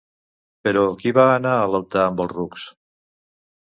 Però qui va anar a l'altar amb els rucs?